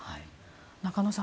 中野さん